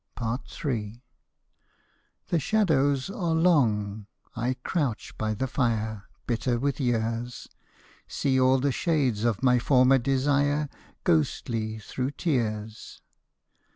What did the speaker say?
Ill The shadows are long, I crouch by the fire. Bitter with years, See all the shades of my former desire Ghostly through tears.